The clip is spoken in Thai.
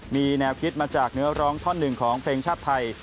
มีแนวคิดมาจากเนื้อร้องท่อนหนึ่งของเพลงชาติไทย